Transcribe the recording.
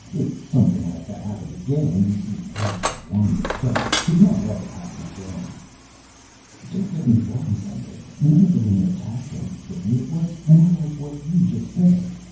If something like that happened again you'd be right to wonder. But it could not ever happen again." "Don't get me wrong, Wendell. None of the women attacked anything. It was more like what you just said.